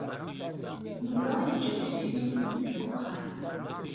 Yuba yeǧǧa tasiwant-nnes deg uxxam.